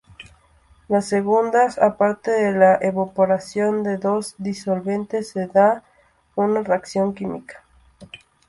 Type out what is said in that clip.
Las segundas, aparte de la evaporación de los disolventes, se da una reacción química.